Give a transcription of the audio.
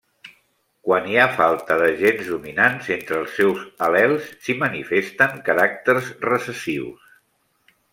Quan hi ha falta de gens dominants entre els seus al·lels, s'hi manifesten caràcters recessius.